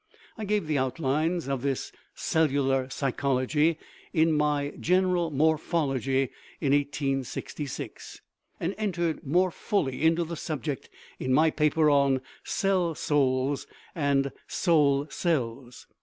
I gave the outlines of this cellular psychology in my General Morphology in 1866, and entered more fully into the subject in my paper on "Cell Souls and Soul Cells."